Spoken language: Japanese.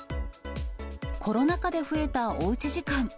コロナ禍で増えたおうち時間。